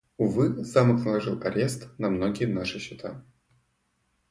Увы, Замок наложил арест на многие наши счета.